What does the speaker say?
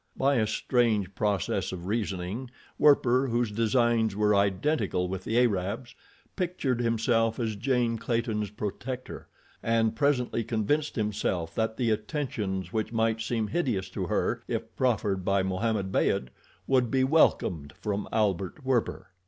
By a strange process of reasoning, Werper, whose designs were identical with the Arab's, pictured himself as Jane Clayton's protector, and presently convinced himself that the attentions which might seem hideous to her if proffered by Mohammed Beyd, would be welcomed from Albert Werper.